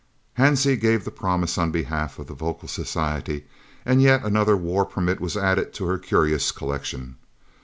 Hansie gave the promise on behalf of the vocal society, and yet another war permit was added to her curious collection!